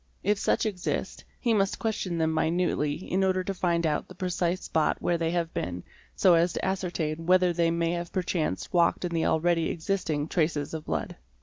If such exist, he must question them minutely in order to find out the precise spot where they have been so as to ascertain whether they may have perchance walked in the already existing traces of blood.